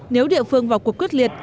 nếu địa phương vào cuộc quyết liệt